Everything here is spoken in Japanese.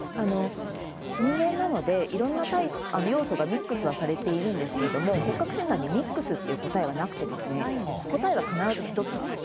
人間なのでいろいろな要素がミックスされてるんですが骨格診断にミックスという答えはなくて、答えは必ず１つなんです。